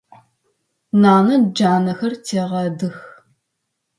Нанэ джанэхэр тегъэдых.